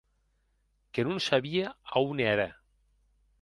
Que non sabia a on ère.